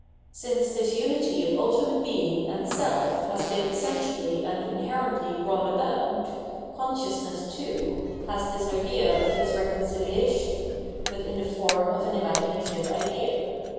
Since this unity of Ultimate Being and Self has been essentially and inherently brought about, consciousness, too, has this idea of its reconcihation, but in the form of an imaginative idea.